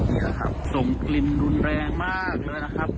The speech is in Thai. นี่แหละครับส่งกลิ่นรุนแรงมากเลยนะครับ